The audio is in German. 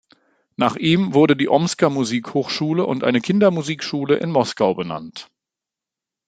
Nach ihm wurde die Omsker Musik-Hochschule und eine Kindermusik-Schule in Moskau benannt.